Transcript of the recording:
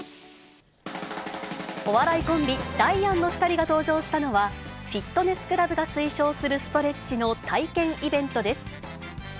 お笑いコンビ、ダイアンの２人が登場したのは、フィットネスクラブが推奨するストレッチの体験イベントです。